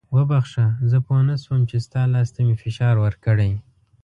وبخښه زه پوه نه شوم چې ستا لاس ته مې فشار ورکړی.